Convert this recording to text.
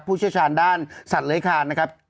ผู้เชื้อชาญด้านสัตว์เหล้คารนะครับ